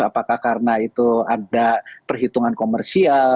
apakah karena itu ada perhitungan komersial